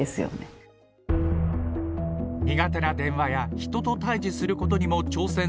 苦手な電話や人と対じすることにも挑戦するアストリッド